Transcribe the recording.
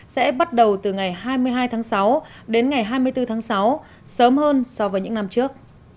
sẽ bắt đầu từ ngày hai mươi hai tháng sáu đến ngày hai mươi bốn tháng sáu sớm hơn so với những năm trước